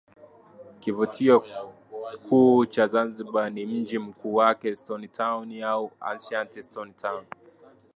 Kivutio kuu cha Zanzibar ni mji mkuu wake Stone Town au Ancient Stone Town